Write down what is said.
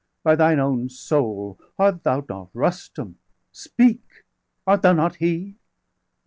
by thine own soul! °343 Art thou not Rustum°? speak! art thou not he?"